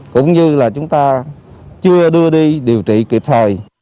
cũng như là chúng ta chưa đưa đi điều trị kịp thời